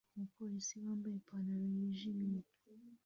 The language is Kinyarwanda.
Umupolisi wambaye ipantaro yijimye